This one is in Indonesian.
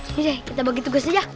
ini deh kita bagi tugas aja